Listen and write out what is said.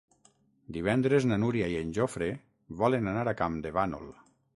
Divendres na Núria i en Jofre volen anar a Campdevànol.